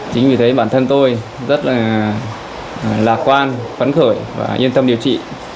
chính vì thế bản thân tôi rất là lạc quan vấn khởi và yên tâm điều trị